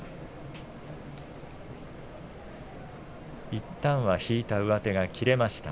いったんは引いた上手切れました。